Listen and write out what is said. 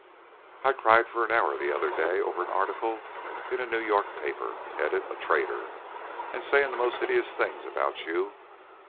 I cried for an hour the other day over an article in a New York paper, headed 'A Traitor,' and saying the most hideous things about you."